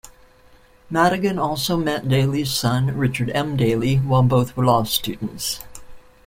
Madigan also met Daley's son Richard M. Daley, while both were law students.